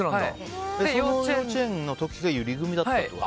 その幼稚園の時がゆり組だったってこと？